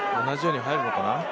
同じように入るのかな。